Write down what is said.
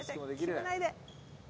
決めないで。